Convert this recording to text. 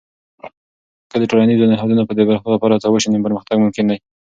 که د ټولنیزو نهادونو د پراختیا لپاره هڅه وسي، نو پرمختګ ممکن دی.